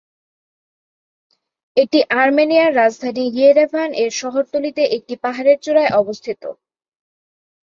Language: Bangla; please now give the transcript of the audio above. এটি আর্মেনিয়ার রাজধানী ইয়েরেভান এর শহরতলীতে একটি পাহাড়ের চূড়ায় অবস্থিত।